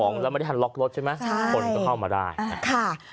เอาของเราไม่ได้ทันล็อกรถใช่ไหมคนก็เข้ามาได้ใช่ค่ะ